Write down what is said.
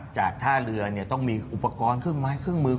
จากท่าเรือต้องมีอุปกรณ์เครื่องไม้เครื่องมือ